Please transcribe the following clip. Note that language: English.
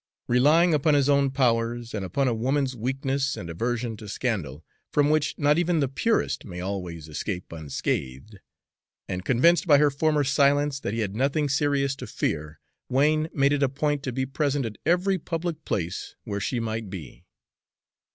Relying upon his own powers, and upon a woman's weakness and aversion to scandal, from which not even the purest may always escape unscathed, and convinced by her former silence that he had nothing serious to fear, Wain made it a point to be present at every public place where she might be.